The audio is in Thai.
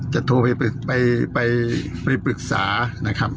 โทรไปปรึกษานะครับ